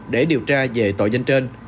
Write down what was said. để điều tra về tội danh trên